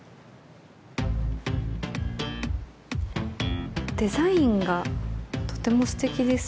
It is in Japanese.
デザインがとてもすてきですよね。